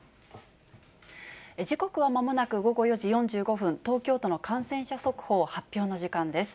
時刻はまもなく午後４時４５分、東京都の感染者速報発表の時間です。